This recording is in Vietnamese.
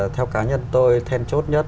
theo cá nhân tôi then chốt nhất